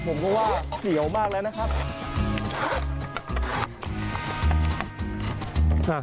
ผมก็ว่าเสียวมากแล้วนะครับ